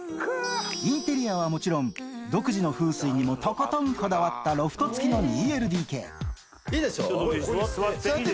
インテリアはもちろん独自の風水にもとことんこだわったロフト付きの２ＬＤＫこうやって。